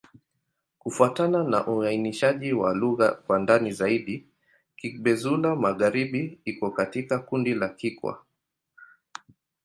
Kufuatana na uainishaji wa lugha kwa ndani zaidi, Kigbe-Xwla-Magharibi iko katika kundi la Kikwa.